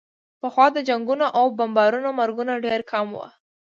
پخوا د جنګونو او بمبارونو مرګونه ډېر کم وو.